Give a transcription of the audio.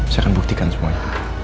saya akan buktikan semuanya